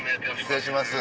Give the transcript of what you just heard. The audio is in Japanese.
失礼します。